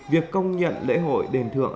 việc công nhận lễ hội đền thượng